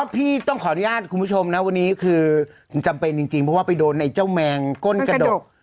พี่ต้องขออนุญาตคุณผู้ชมนะวันนี้คือจำเป็นจริงเพราะว่าไปโดนไอ้เจ้าแมงก้นกระดก